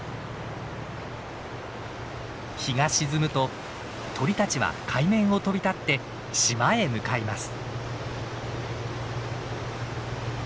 日が沈むと鳥たちは海面を飛び立って島へ向かいます。